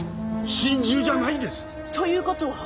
心中じゃないです！という事は？